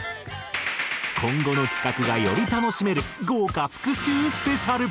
今後の企画がより楽しめる豪華復習スペシャル。